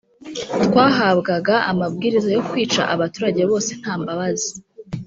twahabwaga amabwiriza yo kwica abaturage bose nta mbabazi